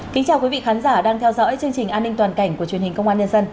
kính chào quý vị khán giả đang theo dõi chương trình an ninh toàn cảnh của truyền hình công an nhân dân